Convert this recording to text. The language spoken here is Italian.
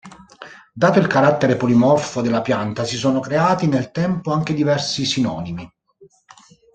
Dato il carattere polimorfo della pianta si sono creati nel tempo anche diversi sinonimi.